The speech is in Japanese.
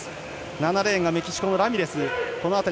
７レーン、メキシコのラミレス。